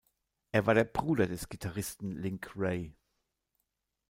Er war der Bruder des Gitarristen Link Wray.